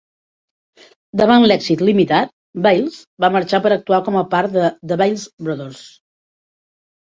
Davant l'èxit limitat, Bailes va marxar per actuar com a part de The Bailes Brothers.